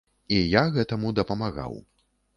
І я гэтаму дапамагаў.